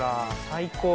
最高。